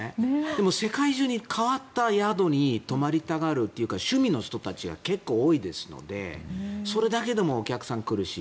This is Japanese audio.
でも世界中の変わった宿に泊まりたがるというか趣味の人たちは結構多いですのでそれだけでもお客さんが来るし